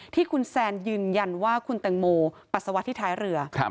ที่คุณแซนยืนยันว่าคุณแตงโมปัสสาวะที่ท้ายเรือ